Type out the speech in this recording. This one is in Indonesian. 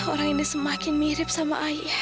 orang ini semakin mirip sama ayah